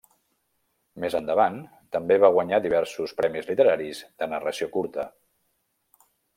Més endavant, també va guanyar diversos premis literaris de narració curta.